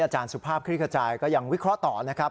อาจารย์สุภาพคริกขจายก็ยังวิเคราะห์ต่อนะครับ